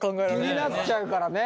気になっちゃうからね。